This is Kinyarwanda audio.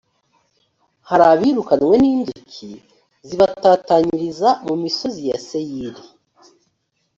hari abirukanywe n’ inzuki zibatatanyiriza mu misozi ya seyiri